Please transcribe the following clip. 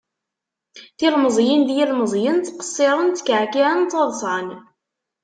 Tilmeẓyin d yilmeẓyen, tqesiren, tkeɛkiɛen taḍṣan.